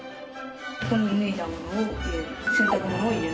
ここに脱いだものを入れる洗濯物を入れる。